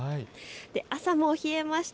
朝も冷えました。